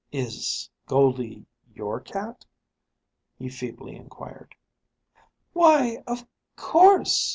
"Is Goldie your cat?" he feebly inquired. "Why, of course?"